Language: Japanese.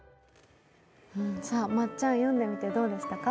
まっちゃん、読んでみてどうでしたか。